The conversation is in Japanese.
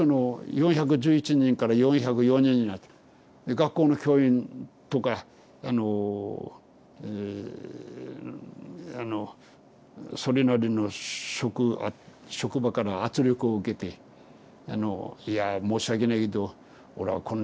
学校の教員とかあのえあのそれなりの職場から圧力を受けて「いやぁ申し訳ないけどおらこんなことだから降ろしてくんねえか」。